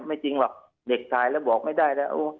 จริงหรอกเด็กถ่ายแล้วบอกไม่ได้แล้ว